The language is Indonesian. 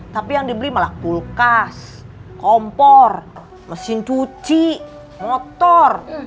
tapi yang dibeli malah kulkas kompor mesin cuci motor